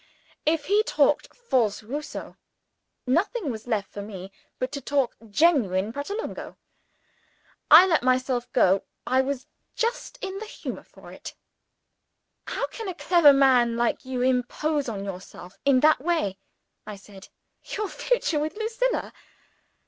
If he talked false Rousseau, nothing was left for me but to talk genuine Pratolungo. I let myself go I was just in the humour for it. "How can a clever man like you impose on yourself in that way?" I said. "Your future with Lucilla?